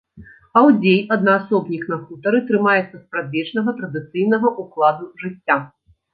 Аўдзей, аднаасобнік на хутары, трымаецца спрадвечнага, традыцыйнага ўкладу жыцця.